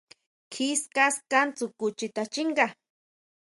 Kjí ska, ska dsjukʼu chita xchínga.